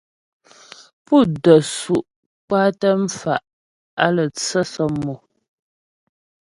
Pú də́ su' kwatə mfa' á lə́ tsə sɔmmò.